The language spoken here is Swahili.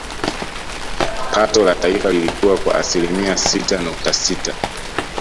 Pato la taifa lilikua kwa asilimia sita nukta sita